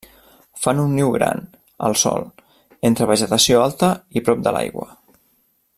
Fan un niu gran, al sòl, entre vegetació alta i prop de l'aigua.